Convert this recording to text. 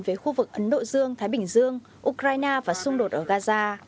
về khu vực ấn độ dương thái bình dương ukraine và xung đột ở gaza